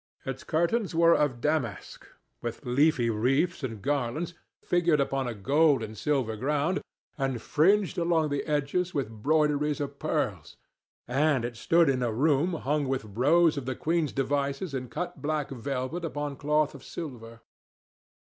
Its curtains were of damask, with leafy wreaths and garlands, figured upon a gold and silver ground, and fringed along the edges with broideries of pearls, and it stood in a room hung with rows of the queen's devices in cut black velvet upon cloth of silver.